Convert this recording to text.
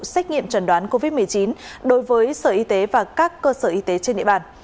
xét nghiệm trần đoán covid một mươi chín đối với sở y tế và các cơ sở y tế trên địa bàn